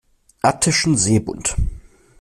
Attischen Seebund.